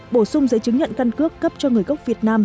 bổ sung giấy chứng nhận căn cước cấp cho người gốc việt nam